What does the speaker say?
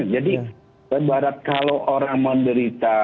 jadi berharap kalau orang menderita